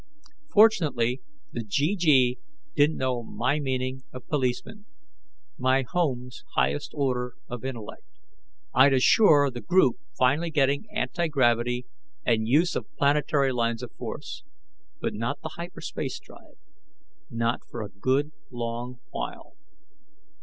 Fortunately, the GG didn't know my meaning of "policeman", my home's highest order of intellect. I'd assure the group finally getting anti gravity and use of planetary lines of force. But not the hyperspace drive, not for a good long while.